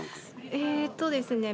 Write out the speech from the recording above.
えーっとですね